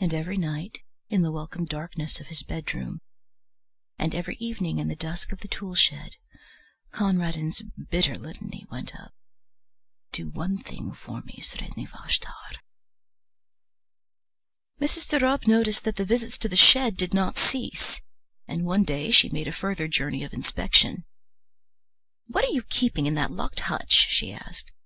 And every night, in the welcome darkness of his bedroom, and every evening in the dusk of the tool shed, Conradin's bitter litany went up: "Do one thing for me, Sredni Vashtar." Mrs. de Ropp noticed that the visits to the shed did not cease, and one day she made a further journey of inspection. "What are you keeping in that locked hutch?" she asked.